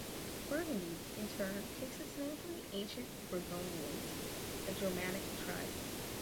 Burgundy in turn takes its name from the ancient Burgundians, a Germanic tribe.